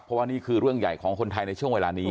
เพราะว่านี่คือเรื่องใหญ่ของคนไทยในช่วงเวลานี้